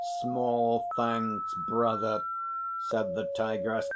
"Small thanks, brother," said the Tigress.